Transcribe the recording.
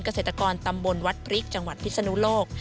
เกษตรกรตำบลวัดพริกจังหวัดพิศนุโลก